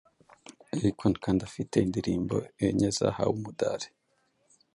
Akon kandi afite indirimbo enye zahawe umudari